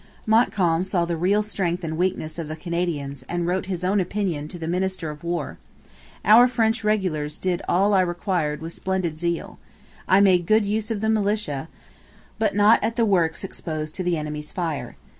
Montcalm saw the real strength and weakness of the Canadians and wrote his own opinion to the minister of War. 'Our French regulars did all I required with splendid zeal. ... I made good use of the militia, but not at the works exposed to the enemy's fire.